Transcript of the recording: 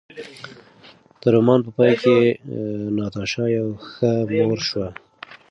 د رومان په پای کې ناتاشا یوه ښه مور شوه.